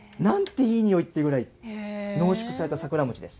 いいにおいっていうぐらい、濃縮された桜餅です。